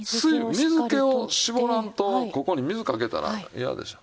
水気を絞らんとここに水かけたら嫌でしょう。